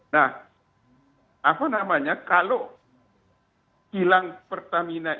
nah apa namanya kalau kilang pertamina itu